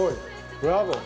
ブラボー。